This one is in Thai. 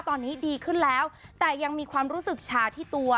ตอนนี้ดีขึ้นแล้วแต่ยังมีความรู้สึกชาที่ตัว